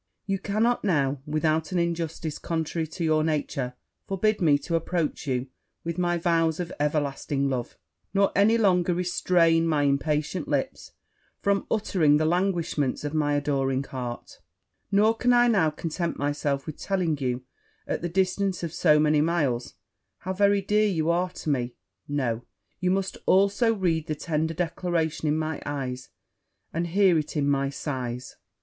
You cannot now, without an injustice contrary to your nature, forbid me to approach you with my vows of everlasting love; nor any longer restrain my impatient lips from uttering the languishments of my adoring heart: nor can I now content myself with telling you, at the distance of so many miles, how very dear you are to me. No! you must also read the tender declarations in my eyes, and hear it in my sighs.